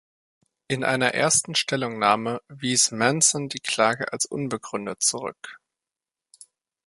In einer ersten Stellungnahme wies Manson die Klage als unbegründet zurück.